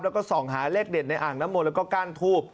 แล้วก็ส่องหาเลขเด็ดในอ่างน้ำมนต์แล้วก็ก้านทูบ